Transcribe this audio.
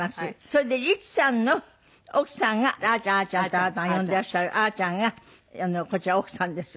それで率さんの奥さんがあーちゃんあーちゃんってあなたが呼んでいらっしゃるあーちゃんがこちら奥さんです。